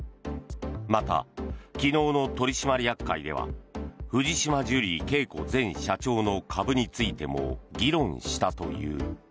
また、昨日の取締役会では藤島ジュリー景子前社長の株についても議論したという。